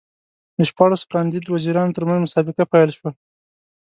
د شپاړسو کاندید وزیرانو ترمنځ مسابقه پیل شوه.